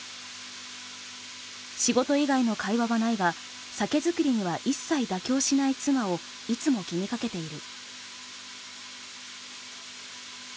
仕事以外の会話はないが酒造りには一切妥協しない妻をいつも気にかけている。